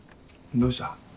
どうした？